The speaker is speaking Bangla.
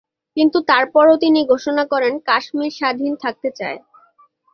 কিন্তু তারপরেও তিনি ঘোষণা করেন, কাশ্মীর স্বাধীন থাকতে চায়।